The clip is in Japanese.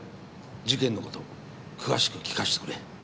事件の事詳しく聞かせてくれ。